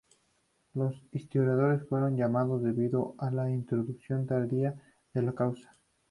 Los historiadores fueron llamados debido a la introducción tardía de la causa.